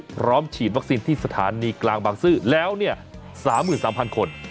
พร้อมฉีดวัคซีนที่สถานีกลางบางซื่อแล้ว๓๓๐๐คน